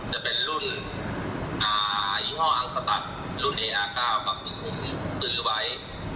จะเป็นรุ่นอ่ายี่ห้ออังสตัดรุ่นเออร์ก้าวปรักษุภูมิซื้อไว้